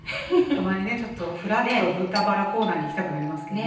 たまにねちょっとふらっと豚バラコーナーに行きたくなりますけどね。